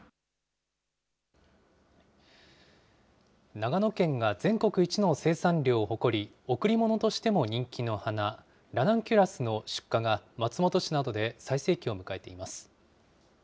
長野県が全国一の生産量を誇り、贈り物としても人気の花、ラナンキュラスの出荷が松本市などで最盛期を迎えています。